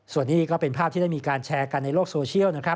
ส่วนนี้ก็เป็นภาพที่ได้มีการแชร์กันในโลกโซเชียลนะครับ